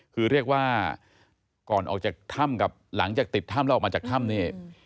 คือเรียกว่าก่อนออกจากถ้ำกับหลังจากติดถ้ำแล้วออกมาจากถ้ำนี่